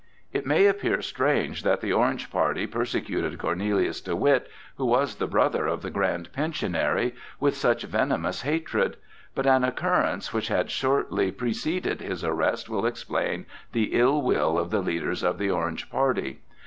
It may appear strange that the Orange party persecuted Cornelius de Witt, who was the brother of the Grand Pensionary, with such venomous hatred; but an occurrence which had shortly preceded his arrest will explain the ill will of the leaders of the Orange party.